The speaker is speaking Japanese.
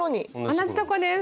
同じとこです。